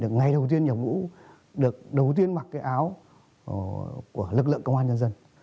ngày đầu tiên nhập ngũ được đầu tiên mặc cái áo của lực lượng công an nhân dân